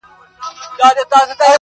سپوږمۍ ترې وشرمېږي او الماس اړوي سترگي.